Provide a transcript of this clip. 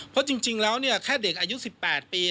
เพราะจริงแล้วแค่เด็กอายุ๑๘ปี